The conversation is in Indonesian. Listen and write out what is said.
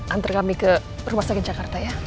antar kami ke rumah sakit jakarta ya